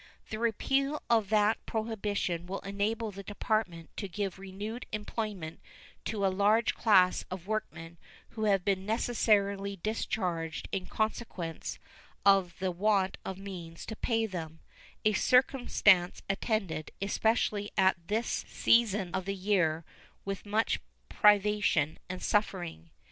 The repeal of that prohibition will enable the Department to give renewed employment to a large class of workmen who have been necessarily discharged in consequence of the want of means to pay them a circumstance attended, especially at this season of the year, with much privation and suffering.